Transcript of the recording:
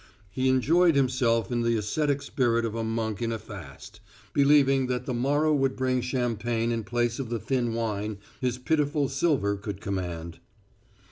He enjoyed himself in the ascetic spirit of a monk in a fast, believing that the morrow would bring champagne in place of the thin wine his pitiful silver could command.